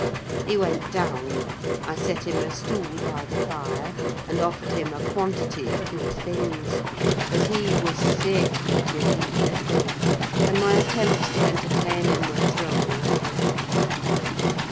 He went down: I set him a stool by the fire, and offered him a quantity of good things: but he was sick and could eat little, and my attempts to entertain him were thrown away.